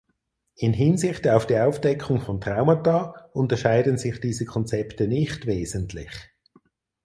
In Hinsicht auf die Aufdeckung von Traumata unterscheiden sich diese Konzepte nicht wesentlich.